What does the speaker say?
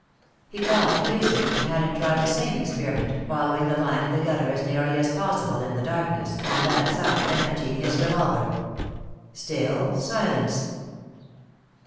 He called to Cusick, and had him try the same experiment, following the line of the gutter as nearly as possible in the darkness, on that side, and emptying his revolver. Still silence.